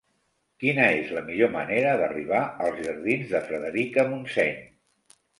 Quina és la millor manera d'arribar als jardins de Frederica Montseny?